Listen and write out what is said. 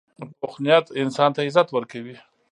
پوخ نیت انسان ته عزت ورکوي